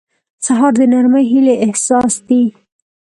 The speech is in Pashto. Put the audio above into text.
سهار د نرمې هیلې احساس دی.